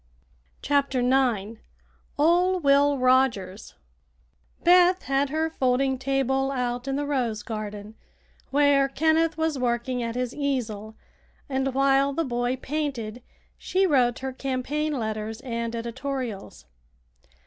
CHAPTER IX OL' WILL ROGERS Beth had her folding table out in the rose garden where Kenneth was working at his easel, and while the boy painted she wrote her campaign letters and "editorials."